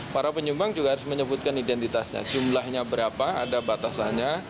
para penyumbang juga harus menyebutkan identitasnya jumlahnya berapa ada batasannya